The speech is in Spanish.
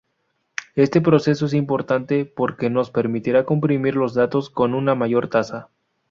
Este proceso es importante porque nos permitirá comprimir los datos con una mayor tasa.